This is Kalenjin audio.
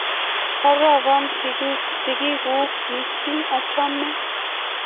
Kororon sigikyuk missing',achame